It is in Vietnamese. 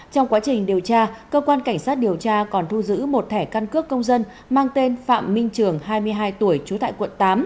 trong quá trình điều tra cơ quan cảnh sát điều tra còn thu giữ một thẻ căn cước công dân mang tên phạm minh trường hai mươi hai tuổi trú tại quận tám